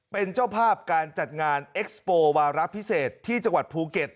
เป็นเจ้าภาพการจัดงานวารักษ์พิเศษที่จังหวัดภูเก็ต